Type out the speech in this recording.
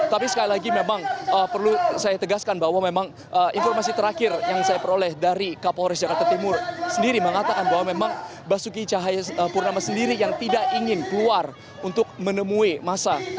tapi sekali lagi memang perlu saya tegaskan bahwa memang informasi terakhir yang saya peroleh dari kapolres jakarta timur sendiri mengatakan bahwa memang basuki cahaya purnama sendiri yang tidak ingin keluar untuk menemui masa